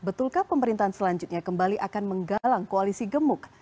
betulkah pemerintahan selanjutnya kembali akan menggalang koalisi gemuk